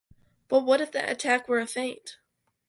But what if that attack were a feint?